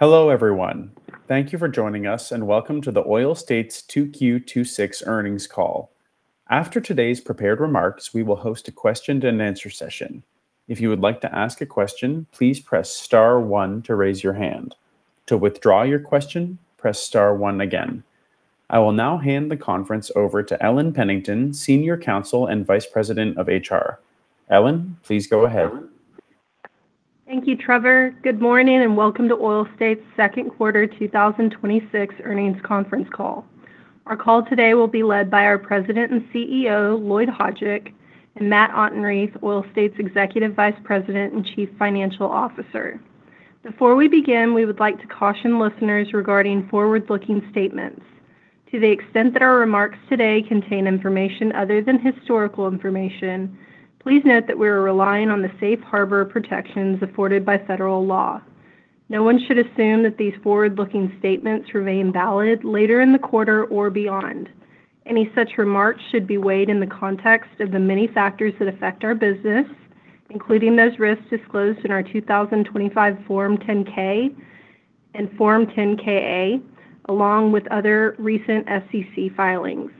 Hello, everyone. Thank you for joining us, and welcome to Oil States' 2Q 2026 earnings call. After today's prepared remarks, we will host a question-and-answer session. If you would like to ask a question, please press star one to raise your hand. To withdraw your question, press star one again. I will now hand the conference over to Ellen Pennington, Senior Counsel and Vice President of HR. Ellen, please go ahead. Thank you, Trevor. Good morning, and welcome to Oil States' second quarter 2026 earnings conference call. Our call today will be led by our President and Chief Executive Officer, Lloyd Hajdik, and Matt Autenrieth, Oil States' Executive Vice President and Chief Financial Officer. Before we begin, we would like to caution listeners regarding forward-looking statements. To the extent that our remarks today contain information other than historical information, please note that we are relying on the safe harbor protections afforded by federal law. No one should assume that these forward-looking statements remain valid later in the quarter or beyond. Any such remarks should be weighed in the context of the many factors that affect our business, including those risks disclosed in our 2025 Form 10-K and Form 10-K/A, along with other recent SEC filings.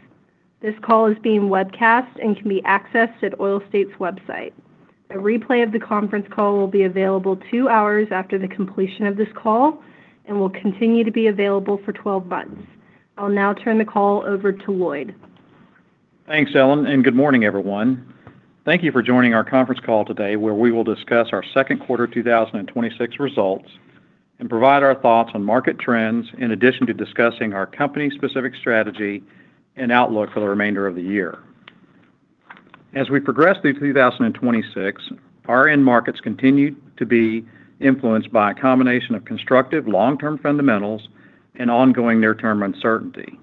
This call is being webcasted and can be accessed at Oil States' website. A replay of the conference call will be available two hours after the completion of this call and will continue to be available for 12 months. I will now turn the call over to Lloyd. Thanks, Ellen. Good morning, everyone. Thank you for joining our conference call today, where we will discuss our second quarter 2026 results and provide our thoughts on market trends in addition to discussing our company-specific strategy and outlook for the remainder of the year. As we progress through 2026, our end markets continue to be influenced by a combination of constructive long-term fundamentals and ongoing near-term uncertainty.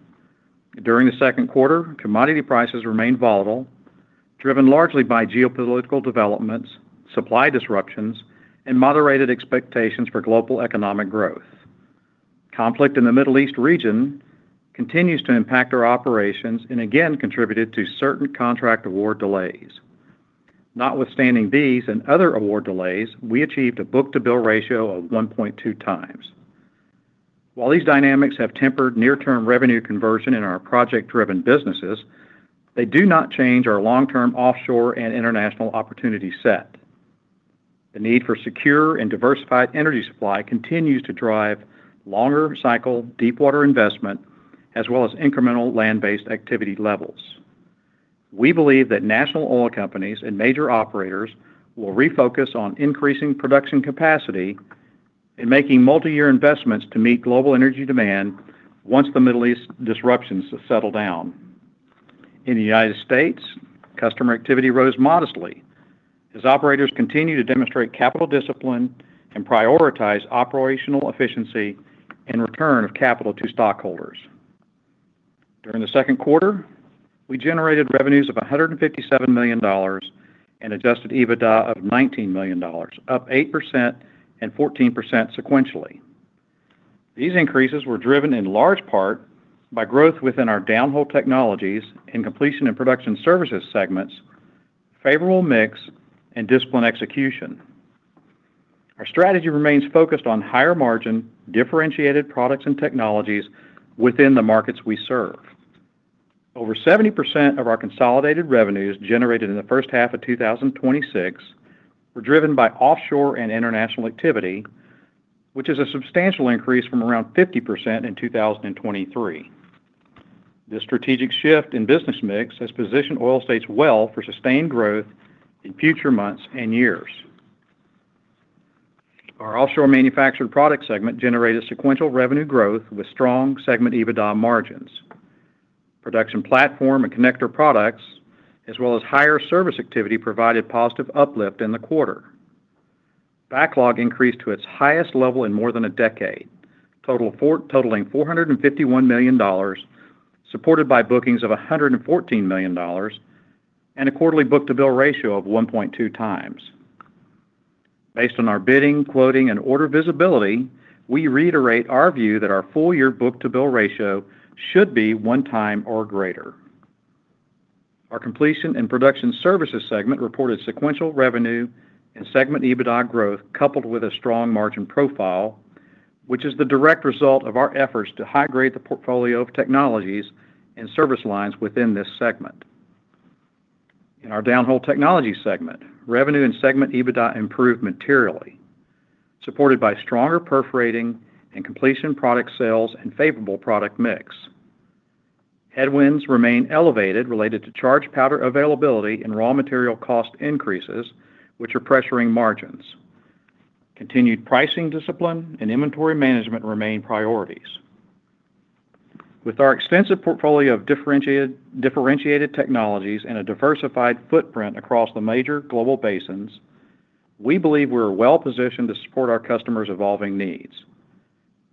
During the second quarter, commodity prices remained volatile, driven largely by geopolitical developments, supply disruptions, and moderated expectations for global economic growth. Conflict in the Middle East region continues to impact our operations and again contributed to certain contract award delays. Notwithstanding these and other award delays, we achieved a book-to-bill ratio of 1.2 times. While these dynamics have tempered near-term revenue conversion in our project-driven businesses, they do not change our long-term offshore and international opportunity set. The need for secure and diversified energy supply continues to drive longer cycle deepwater investment as well as incremental land-based activity levels. We believe that national oil companies and major operators will refocus on increasing production capacity and making multiyear investments to meet global energy demand once the Middle East disruptions have settled down. In the United States, customer activity rose modestly as operators continue to demonstrate capital discipline and prioritize operational efficiency and return of capital to stockholders. During the second quarter, we generated revenues of $157 million and adjusted EBITDA of $19 million, up 8% and 14% sequentially. These increases were driven in large part by growth within our Downhole Technologies and Completion and Production Services segments, favorable mix, and disciplined execution. Our strategy remains focused on higher margin, differentiated products and technologies within the markets we serve. Over 70% of our consolidated revenues generated in the first half of 2026 were driven by offshore and international activity, which is a substantial increase from around 50% in 2023. This strategic shift in business mix has positioned Oil States well for sustained growth in future months and years. Our Offshore Manufactured Products segment generated sequential revenue growth with strong segment EBITDA margins. Production platform and connector products, as well as higher service activity, provided positive uplift in the quarter. Backlog increased to its highest level in more than a decade, totaling $451 million, supported by bookings of $114 million and a quarterly book-to-bill ratio of 1.2 times. Based on our bidding, quoting, and order visibility, we reiterate our view that our full-year book-to-bill ratio should be one time or greater. Our Completion and Production Services segment reported sequential revenue and segment EBITDA growth coupled with a strong margin profile, which is the direct result of our efforts to high-grade the portfolio of technologies and service lines within this segment. In our Downhole Technologies segment, revenue and segment EBITDA improved materially, supported by stronger perforating and completion product sales and favorable product mix. Headwinds remain elevated related to charge powder availability and raw material cost increases, which are pressuring margins. Continued pricing discipline and inventory management remain priorities. With our extensive portfolio of differentiated technologies and a diversified footprint across the major global basins, we believe we're well-positioned to support our customers' evolving needs.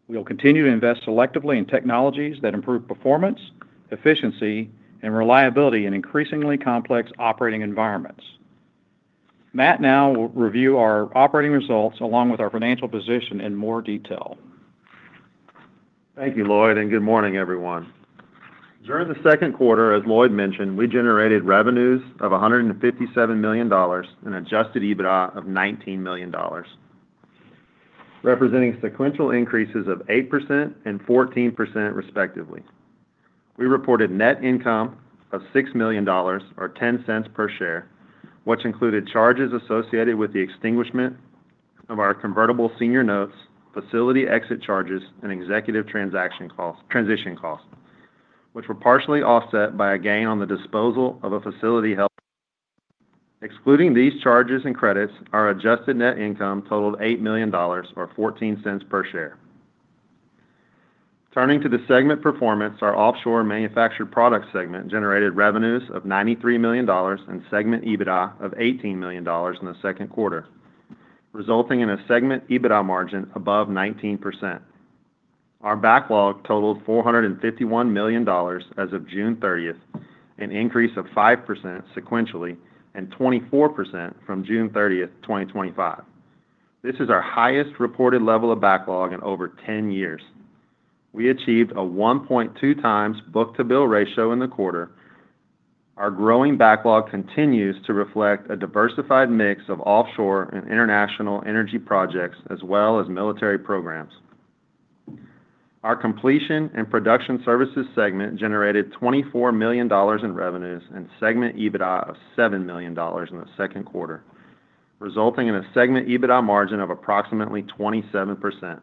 We will continue to invest selectively in technologies that improve performance, efficiency, and reliability in increasingly complex operating environments. Matt now will review our operating results along with our financial position in more detail. Thank you, Lloyd, and good morning, everyone. During the second quarter, as Lloyd mentioned, we generated revenues of $157 million in adjusted EBITDA of $19 million, representing sequential increases of 8% and 14% respectively. We reported net income of $6 million or $0.10 per share, which included charges associated with the extinguishment of our convertible senior notes, facility exit charges, and executive transition costs, which were partially offset by a gain on the disposal of a facility held. Excluding these charges and credits, our adjusted net income totaled $8 million or $0.14 per share. Turning to the segment performance, our Offshore Manufactured Products segment generated revenues of $93 million in segment EBITDA of $18 million in the second quarter, resulting in a segment EBITDA margin above 19%. Our backlog totaled $451 million as of June 30th, an increase of 5% sequentially and 24% from June 30th, 2025. This is our highest reported level of backlog in over 10 years. We achieved a 1.2 times book-to-bill ratio in the quarter. Our growing backlog continues to reflect a diversified mix of offshore and international energy projects, as well as military programs. Our Completion and Production Services segment generated $24 million in revenues and segment EBITDA of $7 million in the second quarter, resulting in a segment EBITDA margin of approximately 27%.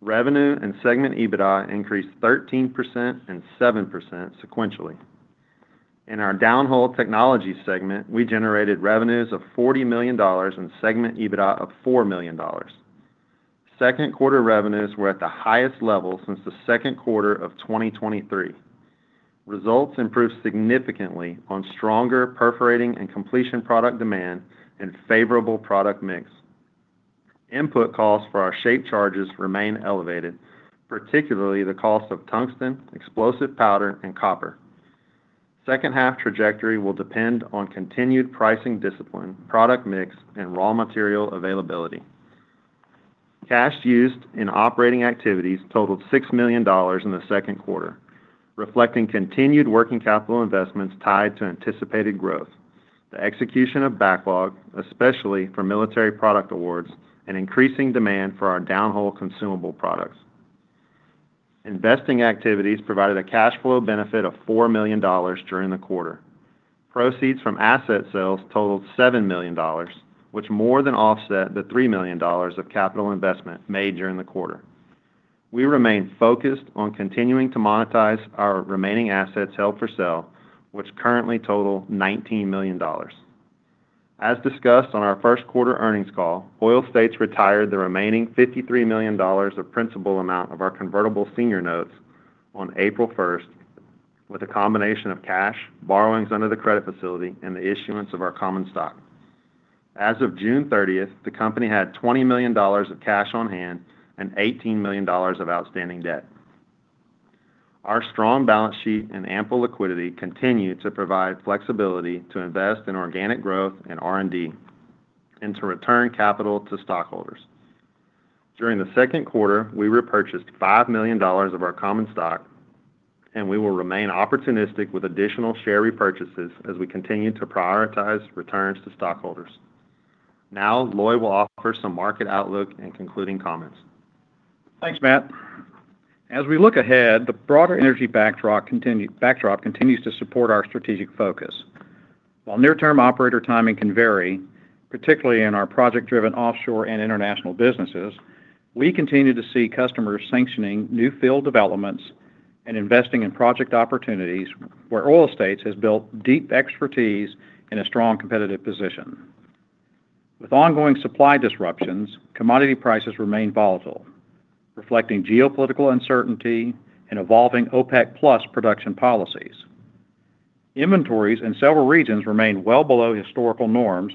Revenue and segment EBITDA increased 13% and 7% sequentially. In our Downhole Technologies segment, we generated revenues of $40 million in segment EBITDA of $4 million. Second quarter revenues were at the highest level since the second quarter of 2023. Results improved significantly on stronger perforating and completion product demand and favorable product mix. Input costs for our shaped charges remain elevated, particularly the cost of tungsten, charge powder, and copper. Second half trajectory will depend on continued pricing discipline, product mix, and raw material availability. Cash used in operating activities totaled $6 million in the second quarter, reflecting continued working capital investments tied to anticipated growth, the execution of backlog, especially for military product awards, and increasing demand for our downhole consumable products. Investing activities provided a cash flow benefit of $4 million during the quarter. Proceeds from asset sales totaled $7 million, which more more than offset the $3 million of capital investment made during the quarter. We remain focused on continuing to monetize our remaining assets held for sale, which currently total $19 million. As discussed on our first quarter earnings call, Oil States retired the remaining $53 million of principal amount of our convertible senior notes on April 1st with a combination of cash, borrowings under the credit facility, and the issuance of our common stock. As of June 30th, the company had $20 million of cash on hand and $18 million of outstanding debt. Our strong balance sheet and ample liquidity continue to provide flexibility to invest in organic growth and R&D and to return capital to stockholders. During the second quarter, we repurchased $5 million of our common stock, and we will remain opportunistic with additional share repurchases as we continue to prioritize returns to stockholders. Now Lloyd will offer some market outlook and concluding comments. Thanks, Matt. As we look ahead, the broader energy backdrop continues to support our strategic focus. While near-term operator timing can vary, particularly in our project-driven offshore and international businesses, we continue to see customers sanctioning new field developments and investing in project opportunities where Oil States has built deep expertise and a strong competitive position. With ongoing supply disruptions, commodity prices remain volatile, reflecting geopolitical uncertainty and evolving OPEC+ production policies. Inventories in several regions remain well below historical norms,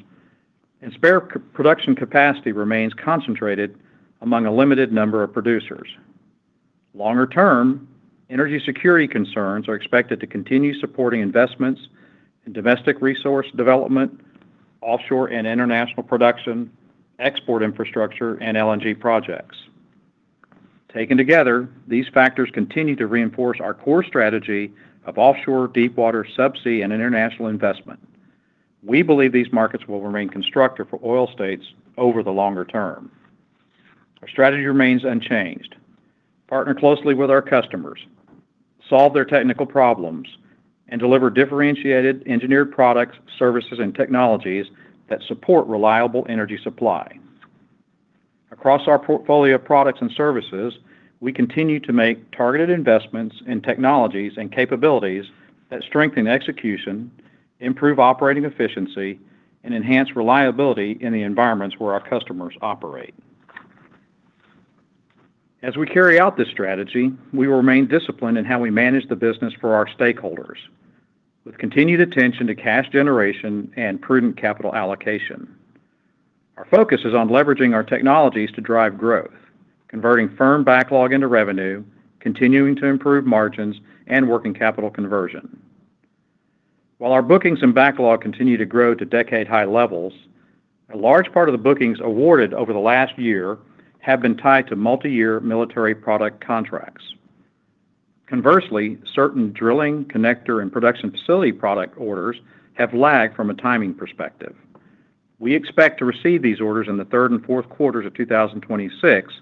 and spare production capacity remains concentrated among a limited number of producers. Longer term, energy security concerns are expected to continue supporting investments in domestic resource development, offshore and international production, export infrastructure, and LNG projects. Taken together, these factors continue to reinforce our core strategy of offshore, deepwater, subsea, and international investment. We believe these markets will remain constructive for Oil States over the longer term. Our strategy remains unchanged: partner closely with our customers, solve their technical problems, and deliver differentiated engineered products, services, and technologies that support reliable energy supply. Across our portfolio of products and services, we continue to make targeted investments in technologies and capabilities that strengthen execution, improve operating efficiency, and enhance reliability in the environments where our customers operate. As we carry out this strategy, we will remain disciplined in how we manage the business for our stakeholders with continued attention to cash generation and prudent capital allocation. Our focus is on leveraging our technologies to drive growth, converting firm backlog into revenue, continuing to improve margins, and working capital conversion. While our bookings and backlog continue to grow to decade-high levels, a large part of the bookings awarded over the last year have been tied to multi-year military product contracts. Certain drilling, connector, and production facility product orders have lagged from a timing perspective. We expect to receive these orders in the third and fourth quarters of 2026,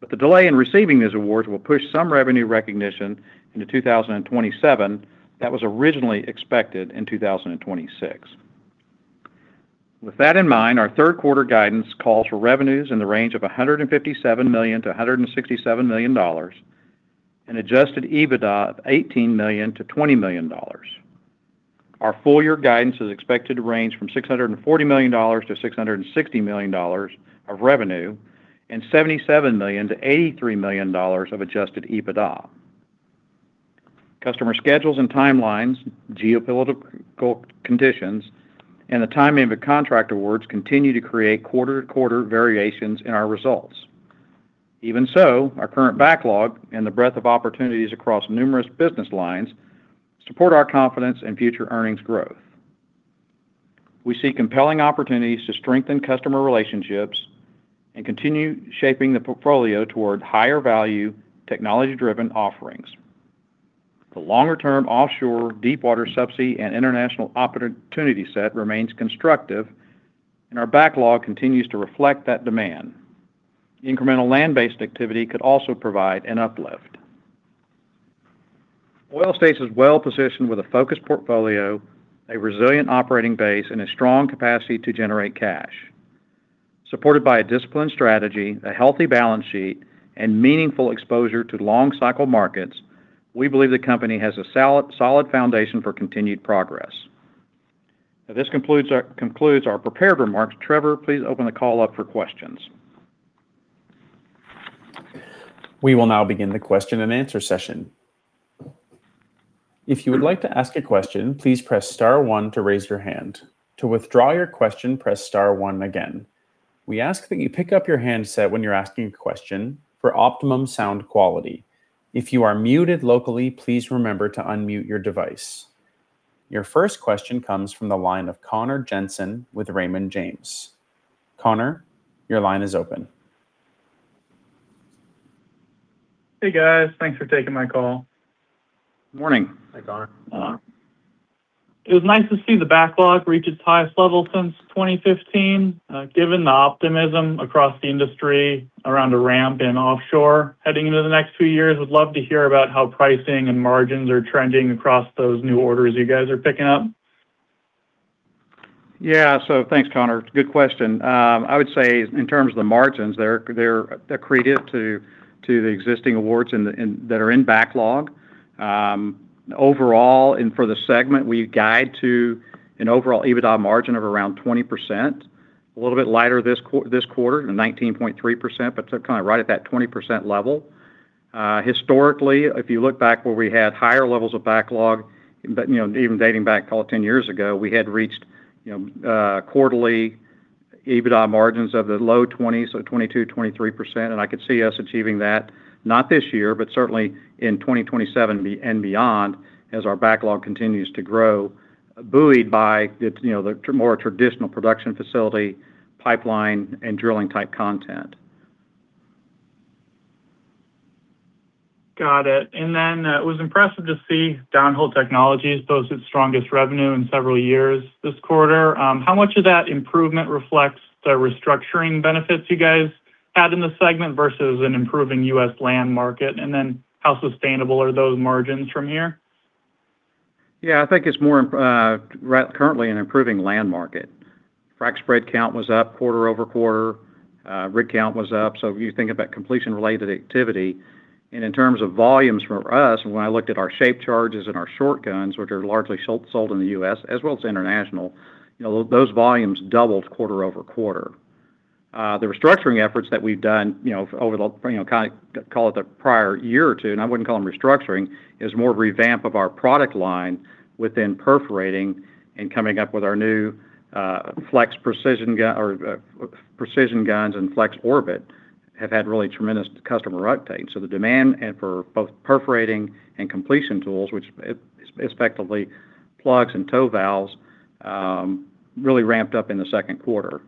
but the delay in receiving these awards will push some revenue recognition into 2027 that was originally expected in 2026. With that in mind, our third quarter guidance calls for revenues in the range of $157 to 167 million and adjusted EBITDA of $18 to 20 million. Our full-year guidance is expected to range from $640 to 660 million of revenue and $77 to 83 million of adjusted EBITDA. Customer schedules and timelines, geopolitical conditions, and the timing of contract awards continue to create quarter-to-quarter variations in our results. Even so, our current backlog and the breadth of opportunities across numerous business lines support our confidence in future earnings growth. We see compelling opportunities to strengthen customer relationships and continue shaping the portfolio towards higher value, technology-driven offerings. The longer-term offshore deepwater subsea and international opportunity set remains constructive, and our backlog continues to reflect that demand. Incremental land-based activity could also provide an uplift. Oil States is well-positioned with a focused portfolio, a resilient operating base, and a strong capacity to generate cash. Supported by a disciplined strategy, a healthy balance sheet, and meaningful exposure to long cycle markets, we believe the company has a solid foundation for continued progress. This concludes our prepared remarks. Trevor, please open the call up for questions. We will now begin the question and answer session. If you would like to ask a question, please press star one to raise your hand. To withdraw your question, press star one again. We ask that you pick up your handset when you're asking a question for optimum sound quality. If you are muted locally, please remember to unmute your device. Your first question comes from the line of Connor Jensen with Raymond James. Connor, your line is open. Hey, guys. Thanks for taking my call. Morning. Hi, Connor. It was nice to see the backlog reach its highest level since 2015. Given the optimism across the industry around a ramp in offshore heading into the next few years, I would love to hear about how pricing and margins are trending across those new orders you guys are picking up. Yeah. Thanks, Connor. Good question. I would say in terms of the margins, they're accretive to the existing awards that are in backlog. Overall, and for the segment, we guide to an overall EBITDA margin of around 20%, a little bit lighter this quarter, 19.3%, but kind of right at that 20% level. Historically, if you look back where we had higher levels of backlog, even dating back call it 10 years ago, we had reached quarterly EBITDA margins of the low 20s, so 22, 23%, and I could see us achieving that, not this year, but certainly in 2027 and beyond as our backlog continues to grow, buoyed by the more traditional production facility, pipeline, and drilling-type content. Got it. It was impressive to see Downhole Technologies post its strongest revenue in several years this quarter. How much of that improvement reflects the restructuring benefits you guys had in the segment versus an improving U.S. land market? How sustainable are those margins from here? Yeah, I think it's more currently an improving land market. Frac spread count was up quarter-over-quarter. Rig count was up. If you think about completion-related activity, and in terms of volumes from us, when I looked at our shaped charges and our shot guns, which are largely sold in the U.S. as well as international, those volumes doubled quarter-over-quarter. The restructuring efforts that we've done over the, call it the prior year or two, and I wouldn't call them restructuring, is more of a revamp of our product line within perforating and coming up with our new precision guns and FlexOrbit have had really tremendous customer uptake. The demand for both perforating and completion tools, which effectively plugs and toe valves, really ramped up in the second quarter.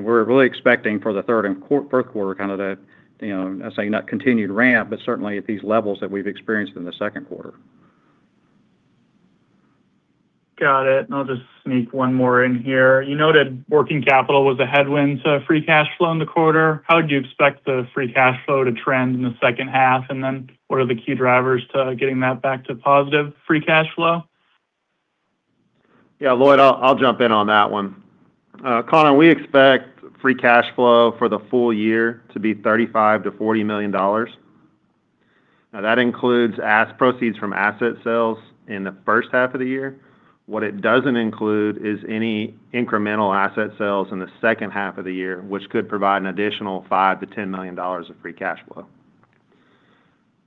We're really expecting for the third and fourth quarter, I'm not saying continued ramp, but certainly at these levels that we've experienced in the second quarter. Got it. I'll just sneak one more in here. You noted working capital was a headwind to free cash flow in the quarter. How do you expect the free cash flow to trend in the second half? What are the key drivers to getting that back to positive free cash flow? Yeah, Lloyd, I'll jump in on that one. Connor, we expect free cash flow for the full year to be $35 to 40 million. That includes proceeds from asset sales in the first half of the year. What it doesn't include is any incremental asset sales in the second half of the year, which could provide an additional $5 to 10 million of free cash flow.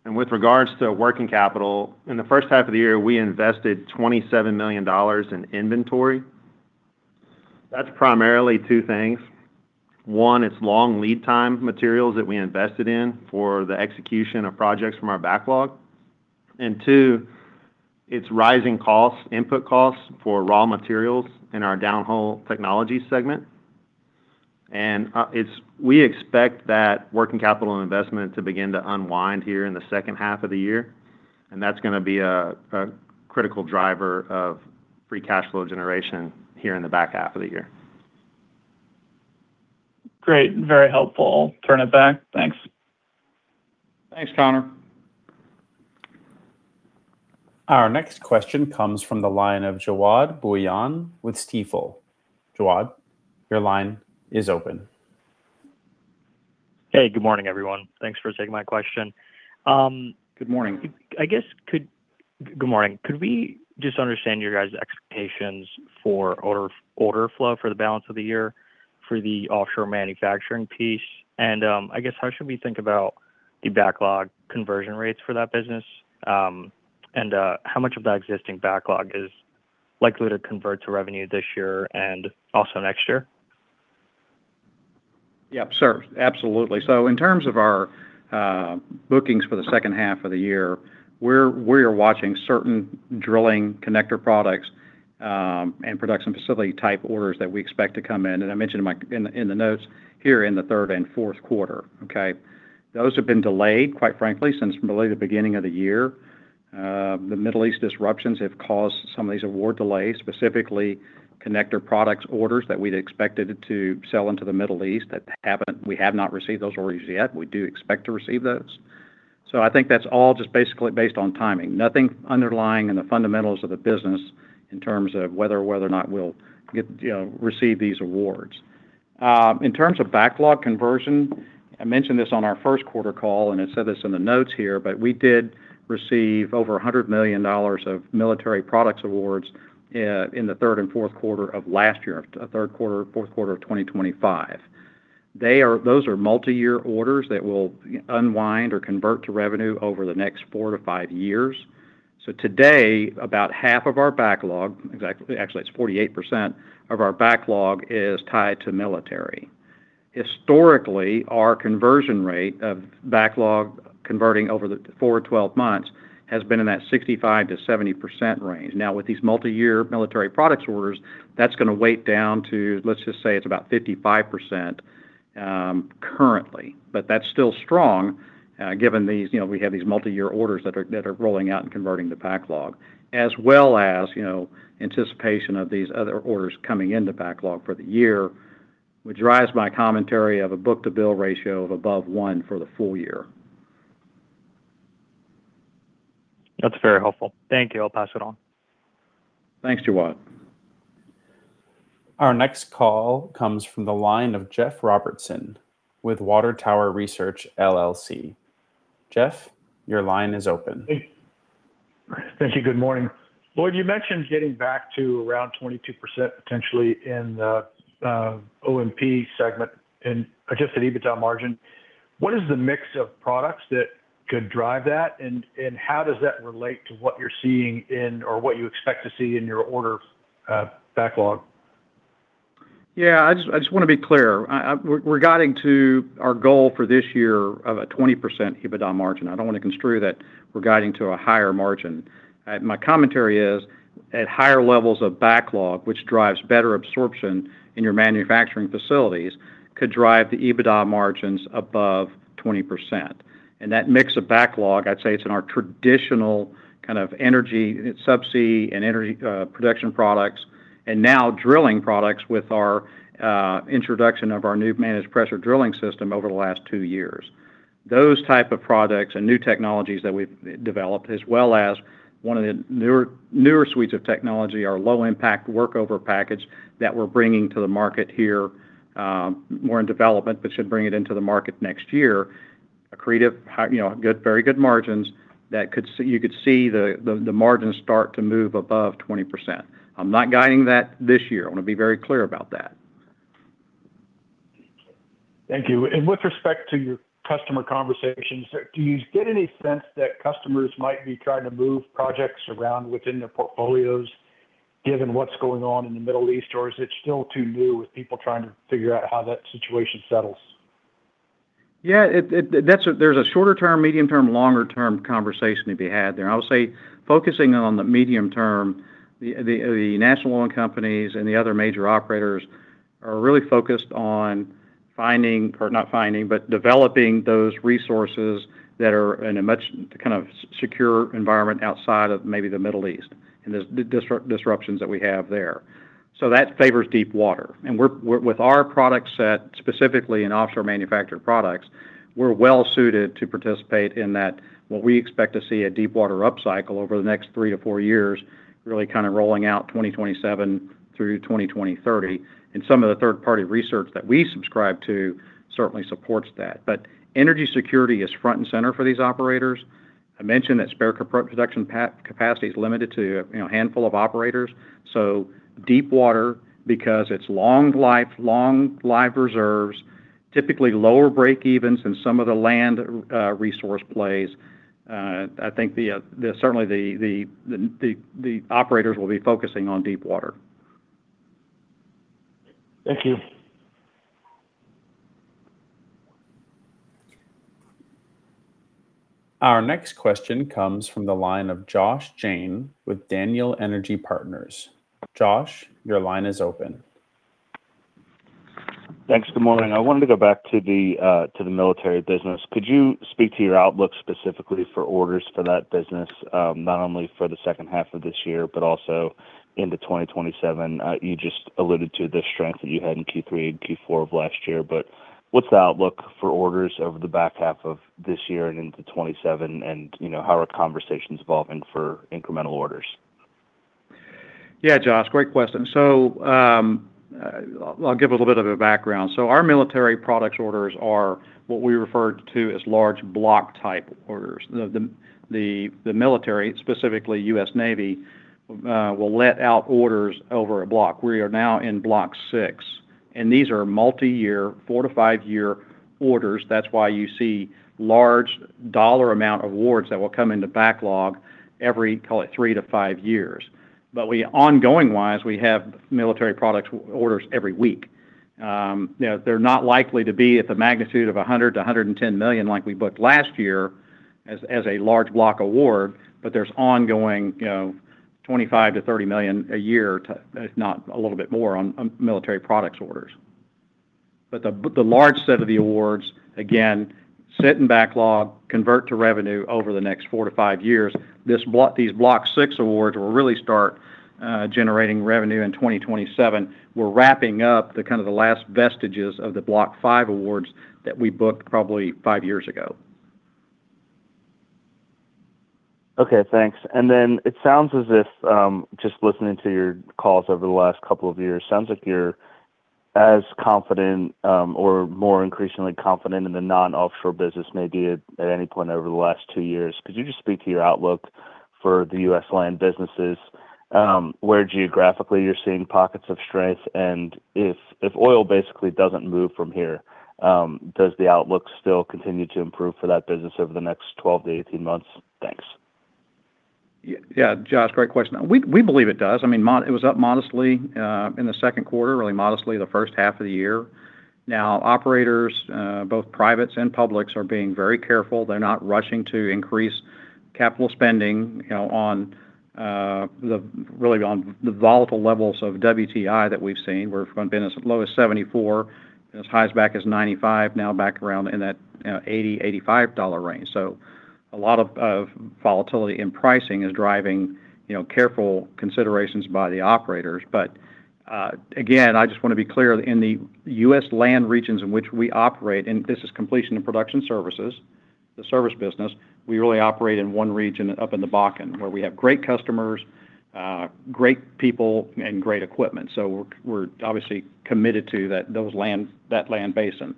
With regards to working capital, in the first half of the year, we invested $27 million in inventory That's primarily two things. One, it's long lead time materials that we invested in for the execution of projects from our backlog. Two, it's rising input costs for raw materials in our Downhole Technologies segment. We expect that working capital investment to begin to unwind here in the second half of the year, and that's going to be a critical driver of free cash flow generation here in the back half of the year. Great. Very helpful. I'll turn it back. Thanks. Thanks, Connor. Our next question comes from the line of Jawad Bhuiyan with Stifel. Jawad, your line is open. Hey, good morning, everyone. Thanks for taking my question. Good morning. Good morning. Could we just understand your guys' expectations for order flow for the offshore manufacturing piece? How should we think about the backlog conversion rates for that business? How much of that existing backlog is likely to convert to revenue this year and also next year? Yep, sure. Absolutely. In terms of our bookings for the second half of the year, we are watching certain drilling connector products, and production facility type orders that we expect to come in, and I mentioned in the notes here in the third and fourth quarter. Okay. Those have been delayed, quite frankly, since really the beginning of the year. The Middle East disruptions have caused some of these award delays, specifically connector products orders that we'd expected to sell into the Middle East that we have not received those orders yet. We do expect to receive those. I think that's all just basically based on timing. Nothing underlying in the fundamentals of the business in terms of whether or not we'll receive these awards. In terms of backlog conversion, I mentioned this on our first quarter call and it said this in the notes here, we did receive over $100 million of military products awards in the third and fourth quarter of last year, third quarter, fourth quarter of 2025. Those are multi-year orders that will unwind or convert to revenue over the next four to five years. Today, about half of our backlog, actually, it's 48% of our backlog is tied to military. Historically, our conversion rate of backlog converting over the core 12 months has been in that 65% to 70% range. With these multi-year military products orders, that's going to weight down to, let's just say it's about 55% currently. That's still strong, given we have these multi-year orders that are rolling out and converting to backlog, as well as anticipation of these other orders coming into backlog for the year, which drives my commentary of a book-to-bill ratio of above one for the full year. That's very helpful. Thank you. I'll pass it on. Thanks, Jawad. Our next call comes from the line of Jeff Robertson with Water Tower Research LLC. Jeff, your line is open. Hey. Thank you. Good morning. Lloyd, you mentioned getting back to around 22% potentially in the OMP segment and adjusted EBITDA margin. What is the mix of products that could drive that and, how does that relate to what you're seeing in or what you expect to see in your order backlog? Yeah, I just want to be clear. We're guiding to our goal for this year of a 20% EBITDA margin. I don't want to construe that we're guiding to a higher margin. My commentary is at higher levels of backlog, which drives better absorption in your manufacturing facilities, could drive the EBITDA margins above 20%. That mix of backlog, I'd say it's in our traditional kind of energy subsea and energy production products, and now drilling products with our introduction of our new managed pressure drilling system over the last two years. Those type of products and new technologies that we've developed, as well as one of the newer suites of technology, our Low Impact Workover Package that we're bringing to the market here, more in development, but should bring it into the market next year. Accretive, very good margins that you could see the margins start to move above 20%. I'm not guiding that this year. I want to be very clear about that. Thank you. With respect to your customer conversations, do you get any sense that customers might be trying to move projects around within their portfolios given what's going on in the Middle East? Is it still too new with people trying to figure out how that situation settles? Yeah. There's a shorter-term, medium-term, longer-term conversation to be had there. I would say focusing on the medium term, the national oil companies and the other major operators are really focused on finding, or not finding, but developing those resources that are in a much secure environment outside of maybe the Middle East, and the disruptions that we have there. That favors deepwater. With our product set, specifically in Offshore Manufactured Products, we're well-suited to participate in that, what we expect to see a deepwater upcycle over the next three to four years, really kind of rolling out 2027 through 2030. Some of the third-party research that we subscribe to certainly supports that. Energy security is front and center for these operators. I mentioned that spare production capacity is limited to a handful of operators. Deepwater, because it's long life, long live reserves. Typically lower breakevens in some of the land resource plays. I think certainly the operators will be focusing on deepwater. Thank you. Our next question comes from the line of Josh Jayne with Daniel Energy Partners. Josh, your line is open. Thanks. Good morning. I wanted to go back to the military business. Could you speak to your outlook specifically for orders for that business, not only for the second half of this year, but also into 2027? You just alluded to the strength that you had in Q3 and Q4 of last year, but what's the outlook for orders over the back half of this year and into 2027? How are conversations evolving for incremental orders? Yeah, Josh, great question. I'll give a little bit of a background. Our military products orders are what we refer to as large block-type orders. The military, specifically US Navy, will let out orders over a block. We are now in Block 6, and these are multi-year, four to five-year orders. That's why you see large dollar amount awards that will come into backlog every, call it, three to five years. Ongoing-wise, we have military products orders every week. They're not likely to be at the magnitude of $100 to 110 million like we booked last year as a large block award, but there's ongoing $25 to 30 million a year, if not a little bit more, on military products orders. The large set of the awards, again, sit in backlog, convert to revenue over the next four to five years. These Block 6 awards will really start generating revenue in 2027. We're wrapping up the last vestiges of the Block 5 awards that we booked probably five years ago. Okay, thanks. It sounds as if, just listening to your calls over the last couple of years, sounds like you're as confident or more increasingly confident in the non-offshore business than maybe at any point over the last two years. Could you just speak to your outlook for the U.S. land businesses, where geographically you're seeing pockets of strength, and if oil basically doesn't move from here, does the outlook still continue to improve for that business over the next 12 to 18 months? Thanks. Yeah. Josh, great question. We believe it does. It was up modestly in the second quarter, really modestly the first half of the year. Operators, both privates and publics, are being very careful. They're not rushing to increase capital spending really on the volatile levels of WTI that we've seen. We've been as low as $74, as high as back as $95, now back around in that $80 to $85 range. A lot of volatility in pricing is driving careful considerations by the operators. Again, I just want to be clear that in the U.S. land regions in which we operate, and this is Completion and Production Services, the service business, we really operate in one region up in the Bakken, where we have great customers, great people, and great equipment. We're obviously committed to that land basin.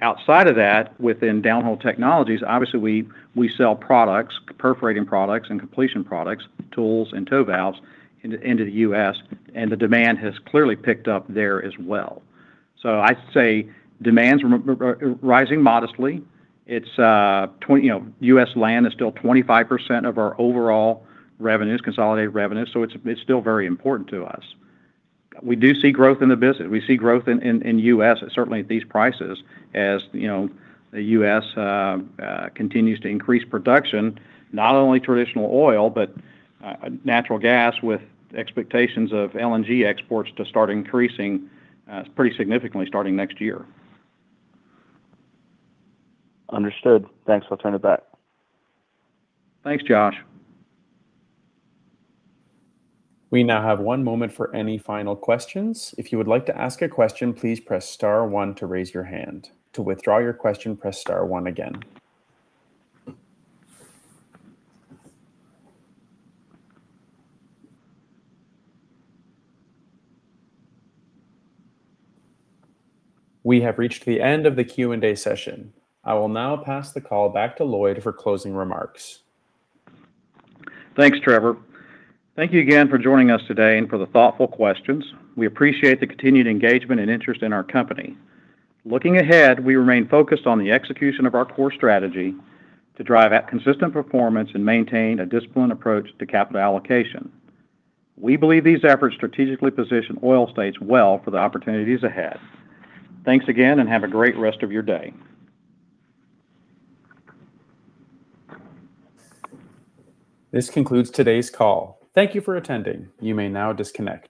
Outside of that, within Downhole Technologies, obviously we sell products, perforating products and completion products, tools and toe valves into the U.S., and the demand has clearly picked up there as well. I'd say demand's rising modestly. U.S. land is still 25% of our overall revenues, consolidated revenues, it's still very important to us. We do see growth in the business. We see growth in U.S., certainly at these prices, as the U.S. continues to increase production, not only traditional oil, but natural gas with expectations of LNG exports to start increasing pretty significantly starting next year. Understood. Thanks. I'll turn it back. Thanks, Josh. We now have one moment for any final questions. If you would like to ask a question, please press star one to raise your hand. To withdraw your question, press star one again. We have reached the end of the Q&A session. I will now pass the call back to Lloyd for closing remarks. Thanks, Trevor. Thank you again for joining us today and for the thoughtful questions. We appreciate the continued engagement and interest in our company. Looking ahead, we remain focused on the execution of our core strategy to drive that consistent performance and maintain a disciplined approach to capital allocation. We believe these efforts strategically position Oil States well for the opportunities ahead. Thanks again. Have a great rest of your day. This concludes today's call. Thank you for attending. You may now disconnect.